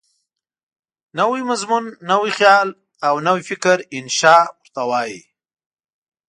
نوی مضمون، نوی خیال او نوی فکر انشأ ورته وايي.